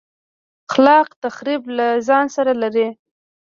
خلاق تخریب له ځان سره لري.